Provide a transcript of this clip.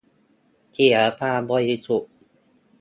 เสียความบริสุทธิ์